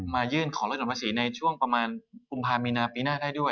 มายื่นของเรื่องการวาศีในช่วงประมาณปีหน้าปีหน้าของคุณมาได้ด้วย